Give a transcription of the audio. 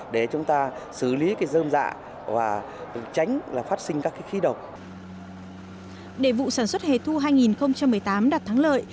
để vụ sản xuất hề thu hai nghìn một mươi tám đạt thắng lợi